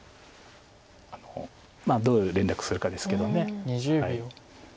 どう連絡するかですけど。